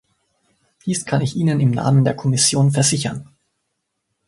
Dies kann ich Ihnen im Namen der Kommission versichern.